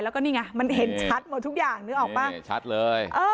แล้วก็นี่ไงมันเห็นชัดหมดทุกอย่างนึกออกป่ะไม่ชัดเลย